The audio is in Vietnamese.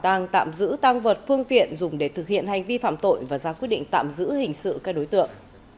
tàng tạm giữ tăng vật phương tiện dùng để thực hiện hành vi phạm tội và ra quyết định tạm giữ hình sự các đối tượng